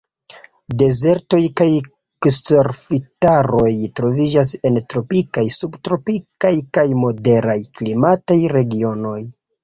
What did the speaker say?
Dezertoj kaj kserofitaroj troviĝas en tropikaj, subtropikaj, kaj moderaj klimataj regionoj.